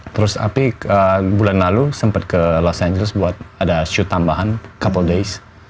terus api bulan lalu sempat ke los angeles buat ada shoot tambahan couple days